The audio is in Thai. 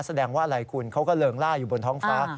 แสดงว่าอะไรคุณเขาก็เริงล่าอยู่บนท้องฟ้า